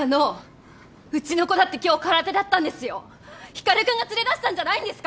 光君が連れだしたんじゃないんですか！？